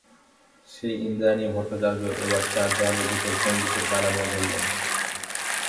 সেই ইন্দ্রাণী ভট্টাচার্য এবার চার দেয়ালের ভেতর সংগীতের ডালা মেলে ধরলেন।